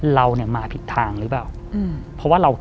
เรามาผิดทางหรือเปล่า